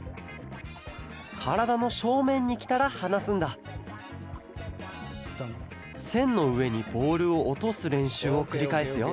からだのしょうめんにきたらはなすんだせんのうえにボールをおとすれんしゅうをくりかえすよ